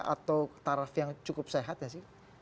atau taraf yang cukup sehat nggak sih